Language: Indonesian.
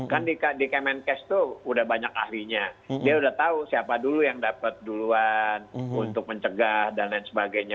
kan di kemenkes itu udah banyak ahlinya dia udah tahu siapa dulu yang dapat duluan untuk mencegah dan lain sebagainya